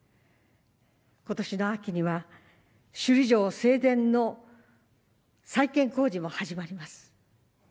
今年の秋には、首里城正殿の再建工事も始まります。